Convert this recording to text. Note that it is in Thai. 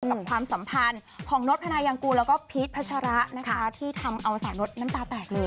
กับความสัมพันธ์ของโน๊ตพนัยอย่างกูแล้วก็พีชพชาระที่ทำเอาสาวโน๊ตน้ำตาแตกเลย